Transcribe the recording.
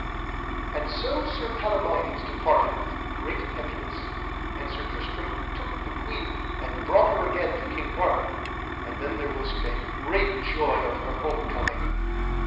And so Sir Palamides departed with great heaviness. And Sir Tristram took the queen and brought her again to King Mark, and then was there made great joy of her home coming.